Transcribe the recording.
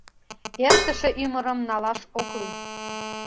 Эртыше ӱмырым налаш ок лий.